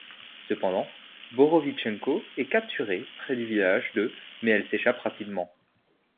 Cependant, Borovitchenko est capturée près du village de mais elle s'échappe rapidement.